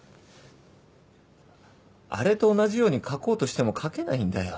あれと同じように書こうとしても書けないんだよ。